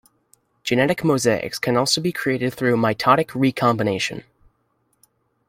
Genetic mosaics can also be created through mitotic recombination.